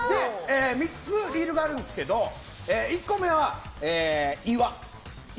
３つリールがあるんですけど１個目は「岩」。